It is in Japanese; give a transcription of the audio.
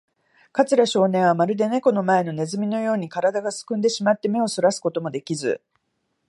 桂少年は、まるでネコの前のネズミのように、からだがすくんでしまって、目をそらすこともできず、